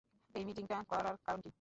এই মিটিংটা করার কারণটা কি?